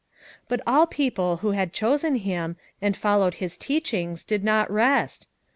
' But all people who had chosen him, and followed his teachings did not rest.